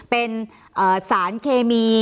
เป็นสารเคมี